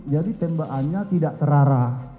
jadi tembakannya tidak terarah